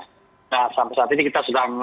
nah sampai saat ini kita sedang